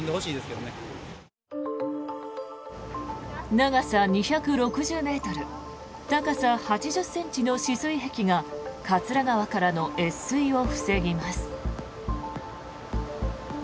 長さ２６０ｍ高さ８０ｃｍの止水壁が桂川からの越水を防ぎます。